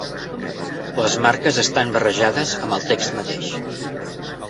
Les marques estan barrejades amb el text mateix.